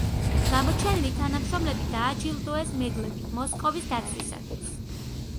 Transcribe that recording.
გამოჩენილი თანამშრომლები დააჯილდოეს მედლებით „მოსკოვის დაცვისათვის“.